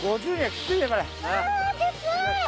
きついよ。